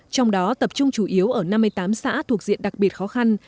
trong đó tập trung chủ yếu ở năm mươi tám xã thuộc diện đặc biệt khó khăn